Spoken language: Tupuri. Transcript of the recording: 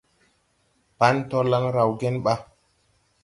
Pan torlan raw gen ba?